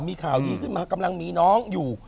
มีข่าวดีขึ้นมากำลังมีน้องอยู่